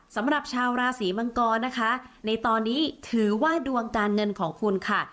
สำหรับชาวราศีมังกรนะคะในตอนนี้ถือว่าดวงการเงินของคุณค่ะ